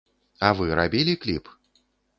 А вы рабілі кліп?